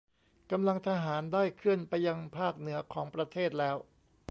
กำลังทหารได้เคลื่อนไปยังภาคเหนือของประเทศแล้ว